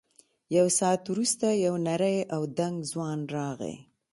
یو ساعت وروسته یو نری او دنګ ځوان راغی.